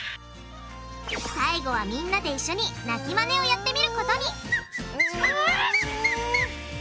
最後はみんなで一緒に鳴きマネをやってみることに！